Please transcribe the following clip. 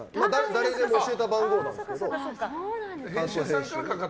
誰でも教えた番号なんですけど。